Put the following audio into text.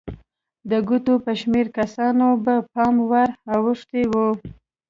د ګوتو په شمېر کسانو به پام ور اوښتی وي.